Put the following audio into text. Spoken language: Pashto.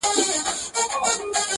• چي په سترګو ورته ګورم په پوهېږم ,